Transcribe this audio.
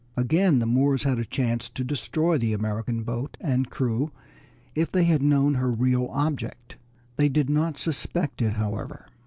Again the Moors had a chance to destroy the American boat and crew if they had known her real object. They did not suspect it, however.